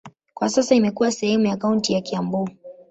Kwa sasa imekuwa sehemu ya kaunti ya Kiambu.